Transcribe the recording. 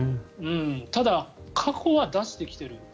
ただ、過去は出してきている。